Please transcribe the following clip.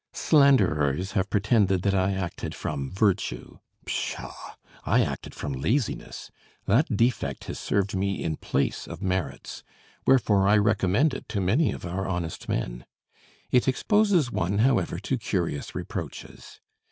Slanderers have pretended that I acted from virtue. Pshaw! I acted from laziness. That defect has served me in place of merits; wherefore I recommend it to many of our honest men. It exposes one, however, to curious reproaches.